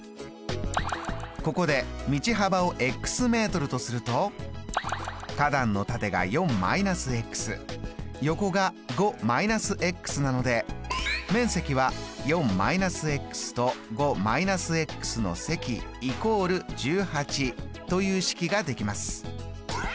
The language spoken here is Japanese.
ここで道幅をｍとすると花壇の縦が４−横が５−なので面積は４−と５−の積イコール１８という式ができます。